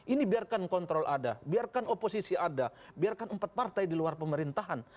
ini biarkan kontrol ada biarkan oposisi ada biarkan empat partai di luar pemerintahan